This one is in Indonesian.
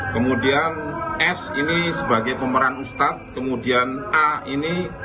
kemudian s ini sebagai pemeran ustadz kemudian a ini